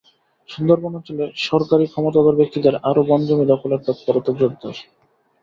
সুন্দরবন অঞ্চলে সরকারি ক্ষমতাধর ব্যক্তিদের আরও বনজমি দখলের তৎপরতা জোরদার।